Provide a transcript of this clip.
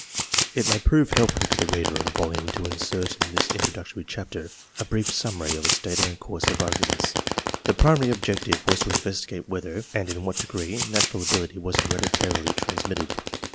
It may prove helpful to the reader of the volume to insert in this introductory chapter a brief summary of its data and course of arguments. The primary object was to investigate whether and in what degree natural ability was hereditarily transmitted.